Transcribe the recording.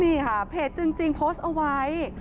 นี่ค่ะเพจจริงโพสต์เอาไว้